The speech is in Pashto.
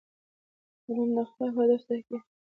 علم د اخلاقو هدف ټاکي.